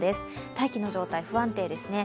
大気の状態、不安定ですね。